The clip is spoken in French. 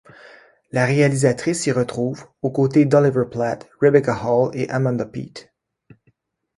La réalisatrice y retrouve, aux côtés d'Oliver Platt, Rebecca Hall et Amanda Peet.